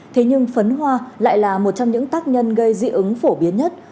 thế nhưng phấn hoa lại là một trong những tác nhân gây dị ứng phổ biến nhất